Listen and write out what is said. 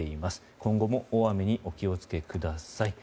今後も大雨にお気を付けください。